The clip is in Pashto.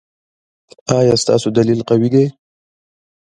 ایا ستاسو دلیل قوي دی؟